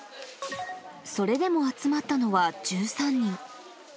それでも集まったのは１３人。